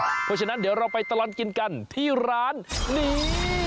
เพราะฉะนั้นเดี๋ยวเราไปตลอดกินกันที่ร้านนี้